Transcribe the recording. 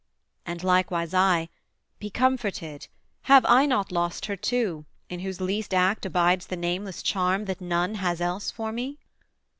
And likewise I: 'Be comforted: have I not lost her too, In whose least act abides the nameless charm That none has else for me?'